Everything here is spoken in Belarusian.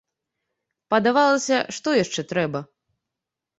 Падавалася, што яшчэ трэба?